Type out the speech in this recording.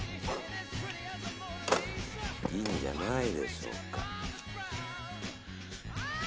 いいんじゃないでしょうか。